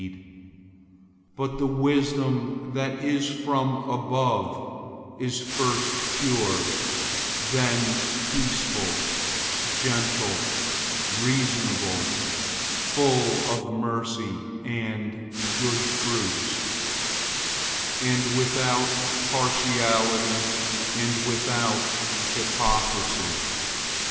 003:017 But the wisdom that is from above is first pure, then peaceful, gentle, reasonable, full of mercy and good fruits, without partiality, and without hypocrisy.